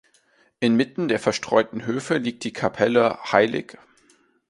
Inmitten der verstreuten Höfe liegt die Kapelle hll.